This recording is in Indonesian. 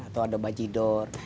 atau ada bajidor